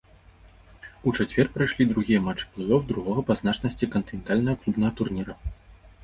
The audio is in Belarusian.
У чацвер прайшлі другія матчы плэй-оф другога па значнасці кантынентальнага клубнага турніра.